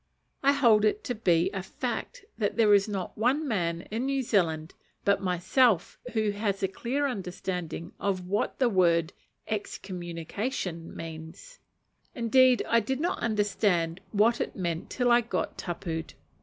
I hold it to be a fact that there is not one man in New Zealand but myself who has a clear understanding of what the word "excommunication" means: indeed I did not understand what it meant till I got tapu'd.